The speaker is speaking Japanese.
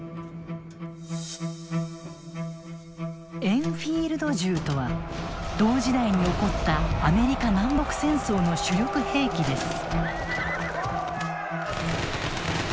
エンフィールド銃とは同時代に起こったアメリカ南北戦争の主力兵器です。